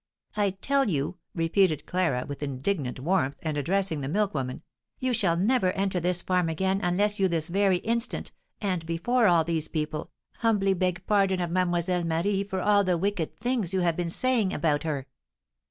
"I tell you," repeated Clara, with indignant warmth, and addressing the milk woman, "you shall never enter this farm again unless you this very instant, and before all these people, humbly beg pardon of Mlle. Marie for all the wicked things you have been saying about her!"